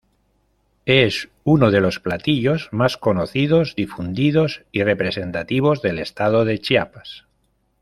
Es uno de los platillos más conocidos, difundidos y representativos del estado de Chiapas.